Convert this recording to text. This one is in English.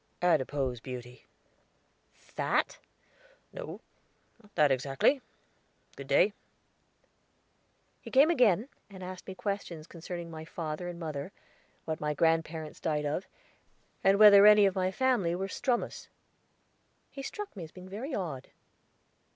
"Adipose beauty." "Fat?" "No; not that exactly. Good day." He came again, and asked me questions concerning my father and mother; what my grandparents died of; and whether any of my family were strumous. He struck me as being very odd.